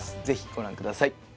ぜひご覧ください